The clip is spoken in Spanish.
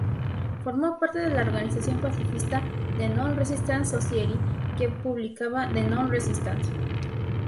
Formó parte de la organización pacifista "The Non-Resistance Society", que publicaba "The Non-Resistant".